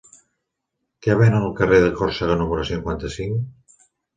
Què venen al carrer de Còrsega número cinquanta-cinc?